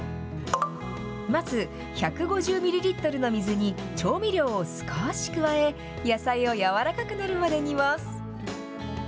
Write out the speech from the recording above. まず１５０ミリリットルの水に、調味料を少し加え、野菜を軟らかくなるまで煮ます。